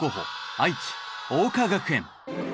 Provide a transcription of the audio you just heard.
愛知桜花学園。